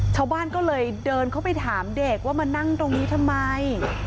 ชาวบ้านก็เลยเดินเข้าไปถามเด็กว่ามานั่งตรงนี้ทำไม